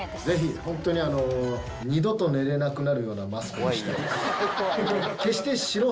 ぜひ、本当にあの、二度と寝れなくなるようなマスクにしたいと思います。